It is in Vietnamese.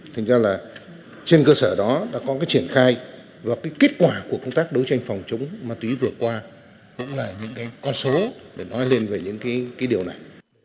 thành ra là trên cơ sở đó đã có triển khai và kết quả của công tác đấu tranh phòng chống ma túy vừa qua cũng là những con số để nói lên về những điều này